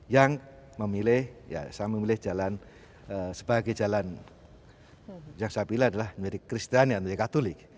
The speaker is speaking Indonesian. yang memilih ya saya memilih jalan sebagai jalan yang saya pilih adalah menjadi kristian jadi katolik